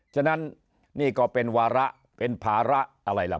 ฉะนั้นนี่ก็เป็นวาระเป็นภาระอะไรล่ะ